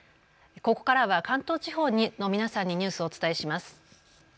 ここからは関東地方の皆さんにニュースをお伝えします。